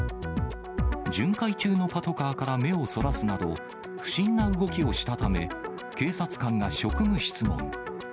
巡回中のパトカーから目をそらすなど、不審な動きをしたため、警察官が職務質問。